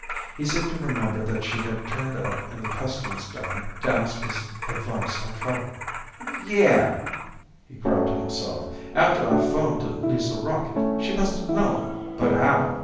He seemed to remember that she had turned up in the Customs dome to ask his advice on travel.... "Ye ah!" he growled to himself. "After I phoned to lease a rocket. She must have known, but how?"